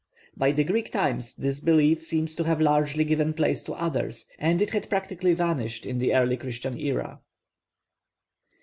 By the Greek times this belief seems to have largely given place to others, and it had practically vanished in the early Christian age.